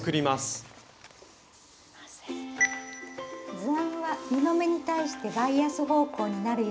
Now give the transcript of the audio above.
図案は布目に対してバイアス方向になるように写します。